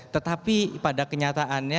tetapi pada kenyataannya